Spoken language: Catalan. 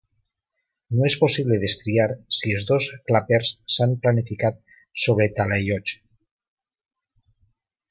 No és possible destriar si els dos clapers s'han planificat sobre talaiots.